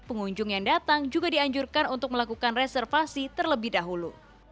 pengunjung yang datang juga dianjurkan untuk melakukan reservasi terlebih dahulu